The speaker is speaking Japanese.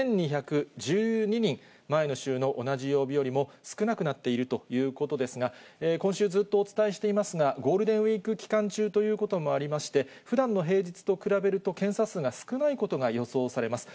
１２１２人、前の週の同じ曜日よりも少なくなっているということですが、今週ずっとお伝えしていますが、ゴールデンウィーク期間中ということもありまして、ふだんの平日と比べると、検査数が少ないことが予想されます。